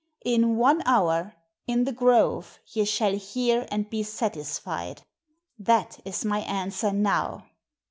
In one hour, in the grove, ye shall hear and be satisfied. That is my answer now.